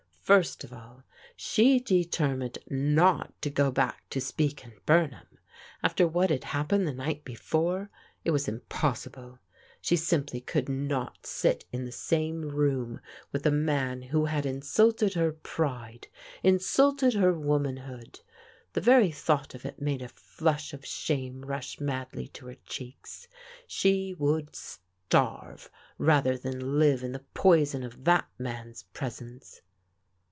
First of all, she determined not to go back to Speke and Bumham. After what had happened the night be fore it was impossible. She simply could not sit in the same room with a man who had insulted her pride, in sulted her womanhood; — ^the very thought of it made a flush of shame rush madly to her cheeks. She would starve rather than live in the poison of that man's pres ence!